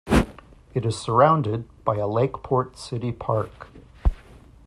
It is surrounded by a Lakeport City Park.